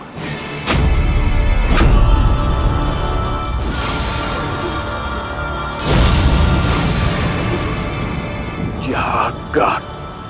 jangan lupa putra kesayanganmu walang sungsu